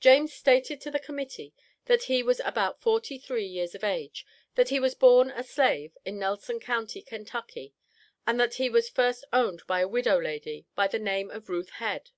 James stated to the Committee that he was about forty three years of age, that he was born a slave in Nelson county, Ky., and that he was first owned by a widow lady by the name of Ruth Head.